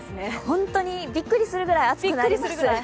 本当にびっくりするぐらい暑くなります。